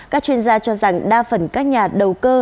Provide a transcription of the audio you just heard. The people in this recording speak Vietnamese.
các chuyên gia cho rằng đa phần các nhà đầu cơ